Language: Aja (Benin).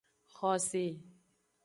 Xose.